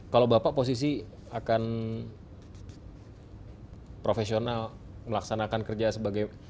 kalau bapak posisi akan profesional melaksanakan kerja sebagai